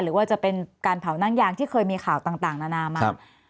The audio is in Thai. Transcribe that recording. หรือว่าจะเป็นการเผานั่งยางที่เคยมีข่าวต่างนานามา